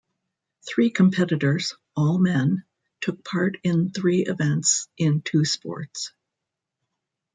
Three competitors, all men, took part in three events in two sports.